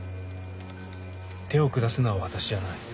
手を下すのは私じゃない。